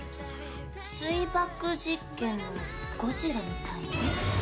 水爆実験のゴジラみたいな？